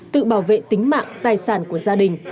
tự bảo vệ tính mạng tài sản của gia đình